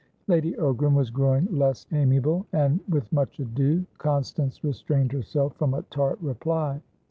Lady Ogram was growing less amiable, and with much ado Constance restrained herself from a tart reply.